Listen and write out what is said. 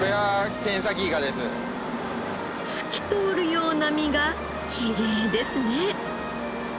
透き通るような身がきれいですね。